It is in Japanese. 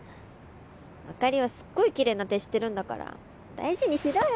朱里はすっごいきれいな手してるんだから大事にしろよ！